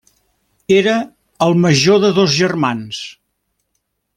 Era el major de dos germans.